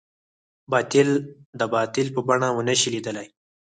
باطل د باطل په بڼه ونه شي ليدلی.